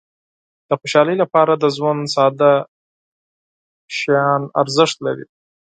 د خوشحالۍ لپاره د ژوند ساده څیزونه ارزښت لري.